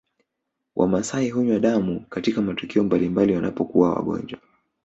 Wamaasai hunywa damu katika matukio mbalimbali wanapokuwa wagonjwa